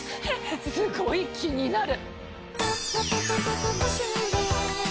すごい気になる。